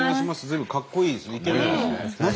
随分かっこいいですね。